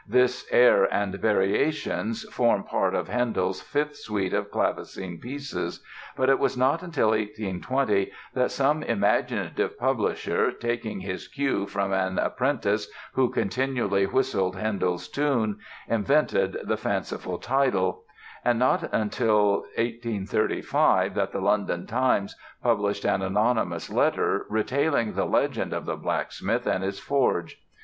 This "Air and Variations" form part of Handel's Fifth Suite of clavecin pieces, but it was not till 1820 that some imaginative publisher, taking his cue from an apprentice who continually whistled Handel's tune, invented the fanciful title; and not till 1835 that the London Times published an anonymous letter retailing the legend of the blacksmith and his forge.